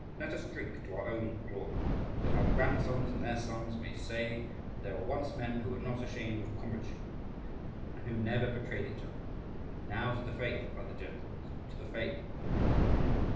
And let us drink to our own glory, that our grandsons and their sons may say that there were once men who were not ashamed of comradeship, and who never betrayed each other. Now to the faith, brother gentles, to the faith!"